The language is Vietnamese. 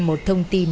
một thông tin